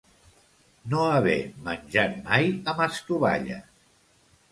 No haver menjat mai amb estovalles.